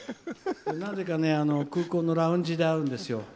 なぜか、空港のラウンジで会うんですよ。